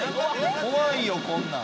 怖いよこんなん。